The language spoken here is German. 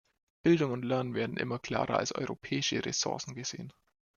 Bildung und Lernen werden immer klarer als europäische Ressourcen gesehen.